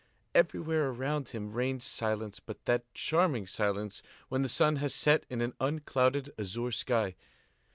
Everywhere around him reigned silence, but that charming silence when the sun has set in an unclouded azure sky.